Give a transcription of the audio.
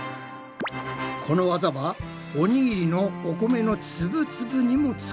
この技はおにぎりのお米のツブツブにも使えるぞ。